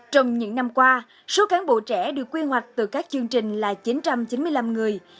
trong những năm qua số cán bộ trẻ được quy hoạch từ các chương trình là chín trăm chín mươi năm người